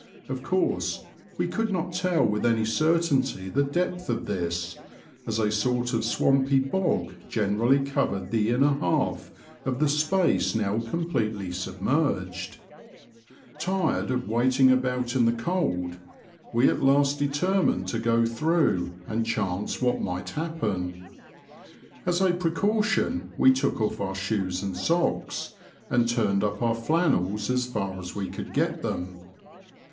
Of course we could not tell with any certainty the depth of this, as a sort of swampy bog generally covered the inner half of the space now completely submerged. Tired of waiting about in the cold. Digitized by VjOOQIC 110 BBOADS AND BTVEBS OF MOBFOLE AND SUFFOLK. we at last determined to go through and chance what might happen. As a precaution, we took off our shoes and socks and turned up our flannels as far as we could get them.